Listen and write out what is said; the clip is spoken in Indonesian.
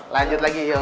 lanjut lagi yuk